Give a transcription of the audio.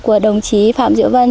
của đồng chí phạm diễu vân